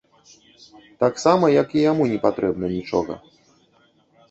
Таксама, як і яму непатрэбна нічога.